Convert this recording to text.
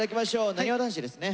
なにわ男子ですね。